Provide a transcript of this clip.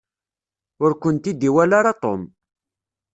Ur kent-id-iwala ara Tom.